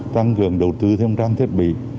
tăng cường đầu tư thêm trang thiết bị